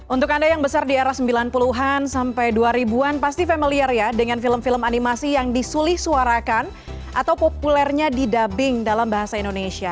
untuk anda yang besar di era sembilan puluh an sampai dua ribu an pasti familiar ya dengan film film animasi yang disulih suarakan atau populernya di dubbing dalam bahasa indonesia